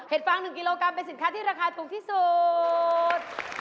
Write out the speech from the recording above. ฟาง๑กิโลกรัมเป็นสินค้าที่ราคาถูกที่สุด